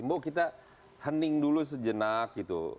bu kita hening dulu sejenak gitu